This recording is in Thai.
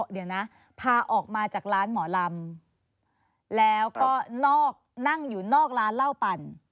เดี๋ยวนะพาออกมาจากร้านหมอลำแล้วก็นอกนั่งอยู่นอกร้านเหล้าปั่น